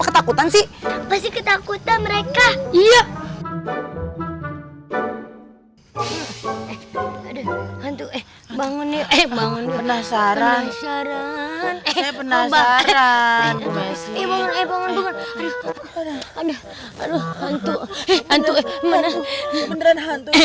ketakutan sih pasti ketakutan mereka iya bangun ya bangun penasaran penasaran